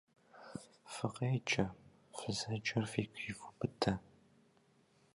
Фыкъеджэ, фызэджэр фигу ивубыдэ!